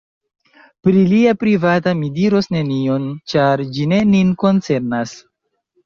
Pri lia privata mi diros nenion; ĉar ĝi ne nin koncernas.